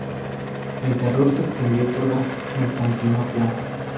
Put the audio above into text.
El terror se extendió a Constantinopla.